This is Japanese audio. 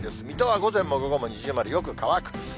水戸は午前も午後も二重丸、よく乾く。